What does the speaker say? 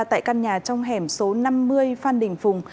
tại căn nhà trong hẻm số năm mươi phan đình phùng